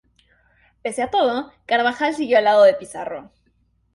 Pese a todo Carvajal siguió al lado de Pizarro.